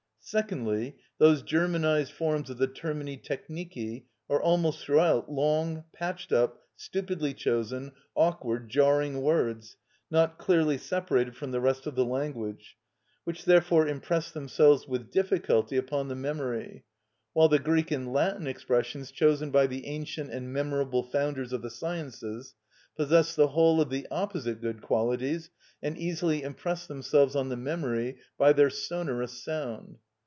Secondly, those Germanised forms of the termini technici are almost throughout long, patched up, stupidly chosen, awkward, jarring words, not clearly separated from the rest of the language, which therefore impress themselves with difficulty upon the memory, while the Greek and Latin expressions chosen by the ancient and memorable founders of the sciences possess the whole of the opposite good qualities, and easily impress themselves on the memory by their sonorous sound.